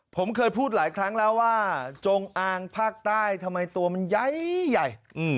ผมเคยพูดหลายครั้งแล้วว่าจงอางภาคใต้ทำไมตัวมันใหญ่